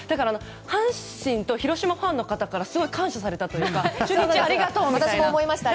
阪神と広島ファンの方からすごく感謝されたというか中日ありがとうみたいな。